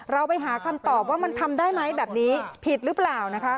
เราไปหาคำตอบว่ามันทำได้ไหมแบบนี้ผิดหรือเปล่านะคะ